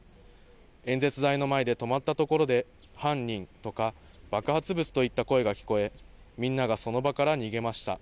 演説台の前で止まったところで犯人とか爆発物といった声が聞こえみんながその場から逃げました。